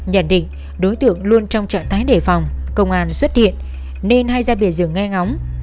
nhận định đối tượng luôn trong trạng thái đề phòng công an xuất hiện nên hai ra bề rừng nghe ngóng